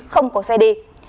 không có xe đi